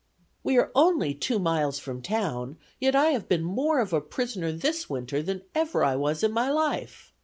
"We are only two miles from town, yet have I been more of a prisoner this winter than I ever was in my life.